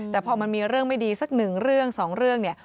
แต่พอมันมีเรื่องไม่ดีสักหนึ่งเรื่องสองเรื่องเนี่ย